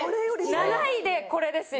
７位でこれですよ。